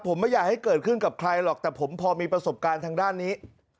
ผมไม่อยากให้เกิดขึ้นกับใครหรอกแต่ผมพอมีประสบการณ์ทางด้านนี้